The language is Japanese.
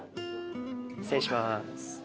失礼します。